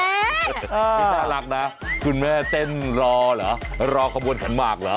นี่น่ารักนะคุณแม่เต้นรอเหรอรอขบวนขันหมากเหรอ